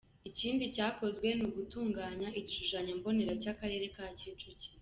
Ikindi cyakozwe , n’ugutunganya igishushanyo-mbonera cy’Akarere ka Kicukiro .